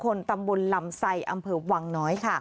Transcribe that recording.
ตำบลลำไซอำเภอวังน้อยค่ะ